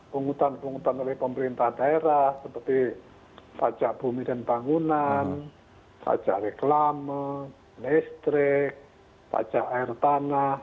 penghutan penghutang oleh pemerintah daerah seperti pajak bumi dan bangunan pajak reklama listrik pajak air tanah